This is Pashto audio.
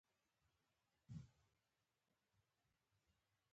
د سولې په برکت ټولنه پرمختګ کوي.